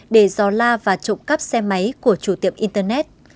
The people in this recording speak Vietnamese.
để dò la và trộm cắp xe máy của chủ tiệm internet